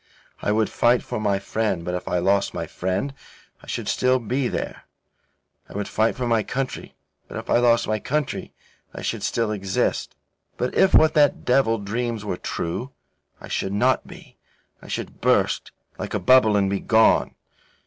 I would fight for my friend, but if I lost my friend, I should still be there. I would fight for my country, but if I lost my country, I should still exist. But if what that devil dreams were true, I should not be I should burst like a bubble and be gone.